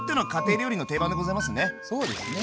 そうですね。